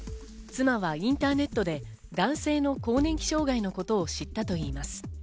妻はインターネットで男性の更年期障害のことを知ったといいます。